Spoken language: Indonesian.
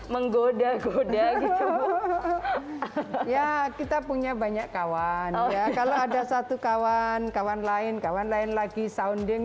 menggoda goda gitu ya kita punya banyak kawan ya kalau ada satu kawan kawan lain kawan lain lagi sounding